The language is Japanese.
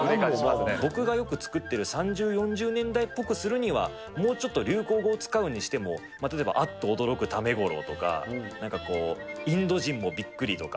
僕がよく作ってる３０、４０年代っぽくするには、もうちょっと流行語を使うにしても、例えばあっと驚くためごろうとか、なんかこう、インド人もびっくりとか。